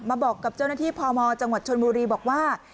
บอกกับเจ้าหน้าที่พมจังหวัดชนบุรีบอกว่า